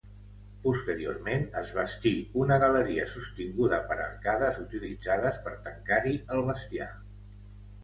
Posteriorment es bastí una galeria sostinguda per arcades utilitzades per tancar-hi el bestiar.